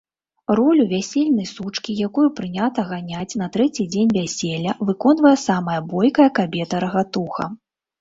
Ролю вясельнай сучкі, якую прынята ганяць на трэці дзень вяселля, выконвае самая бойкая кабета-рагатуха.